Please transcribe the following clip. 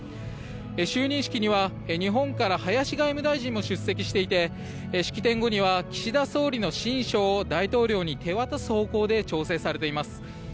就任式には日本から林外務大臣も出席していて式典後には岸田総理の親書を大統領に手渡す方向で調整されています。